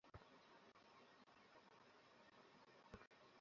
আমরা সময়ের কাছে বন্দী, জ্যাজ।